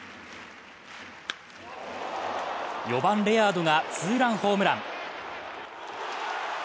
４番・レアードがツーランホームラン。